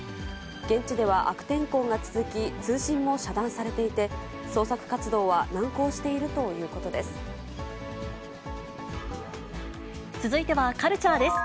現地では悪天候が続き、通信も遮断されていて、捜索活動は難航し続いてはカルチャーです。